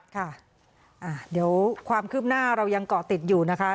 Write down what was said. ค่ะเดี๋ยวความคืบหน้าเรายังเกาะติดอยู่นะคะ